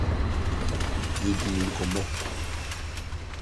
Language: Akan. Yɛdii nkɔmmɔ